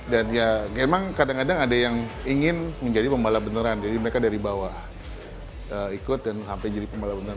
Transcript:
dan ya memang kadang kadang ada yang ingin menjadi pembalap beneran jadi mereka dari bawah ikut sampai jadi pembalap beneran